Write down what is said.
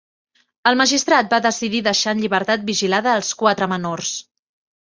El magistrat va decidir deixar en llibertat vigilada als quatre menors.